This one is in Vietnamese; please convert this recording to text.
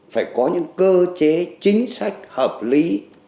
phải có những cơ chế chính sách hợp lý